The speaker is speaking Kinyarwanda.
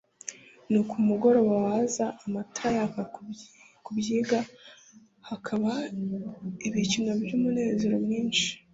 Nuko umugoroba waza amatara yaka ku kibvga, hakaba ibikino by'umunezero mwinshi.